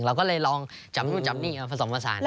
เราก็เลยลองจับนู่นจับนี่เอาผสมผสาน